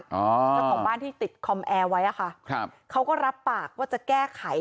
เจ้าของบ้านที่ติดคอมแอร์ไว้อะค่ะครับเขาก็รับปากว่าจะแก้ไข